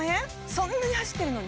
そんなに走ってるのに？